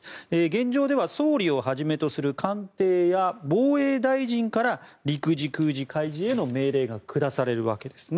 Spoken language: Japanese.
現状では総理をはじめとする官邸や防衛大臣から陸自、海自、空自への命令が下されるわけです。